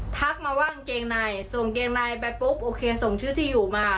ทักมาว่ากางเกงในส่งเกงในไปปุ๊บโอเคส่งชื่อที่อยู่มา